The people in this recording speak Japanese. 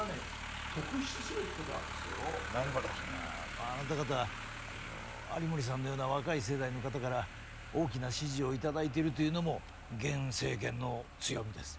まああなた方あの有森さんのような若い世代の方から大きな支持を頂いてるというのも現政権の強みです。